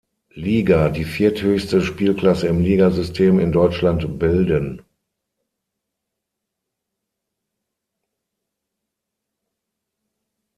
Liga die vierthöchste Spielklasse im Ligasystem in Deutschland bilden.